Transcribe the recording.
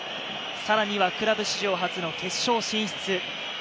さらにはクラブ史上初の決勝進出。